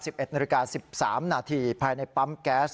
สิบเอ็ดนาฬิกาสิบสามนาทีภายในปั๊มแก๊ส